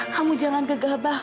kamu jangan berkeras